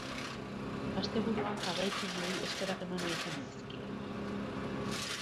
Asteburuan, jarraitzaileei eskerrak eman nahi izan dizkie.